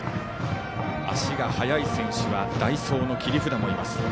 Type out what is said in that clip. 足が速い選手代走の切り札もいます。